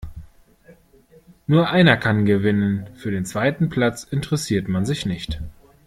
Nur einer kann gewinnen. Für den zweiten Platz interessiert man sich nicht.